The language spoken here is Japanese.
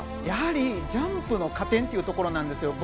やはりジャンプの加点というところです。